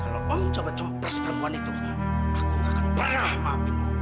kalau om coba coba peras perempuan itu aku nggak akan pernah maafin om